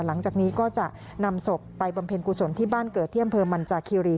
หลังจากนี้ก็จะนำศพไปบำเพ็ญกุศลที่บ้านเกิดที่อำเภอมันจากคิรี